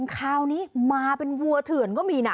คราวนี้มาเป็นวัวเถื่อนก็มีนะ